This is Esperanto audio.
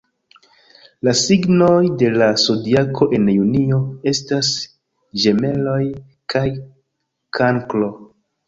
La signoj de la Zodiako en junio estas Ĝemeloj kaj Kankro.